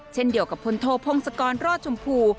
เช่นเดียวกับพลโทพงศกรรอดชมพู